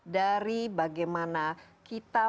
dari bagaimana kita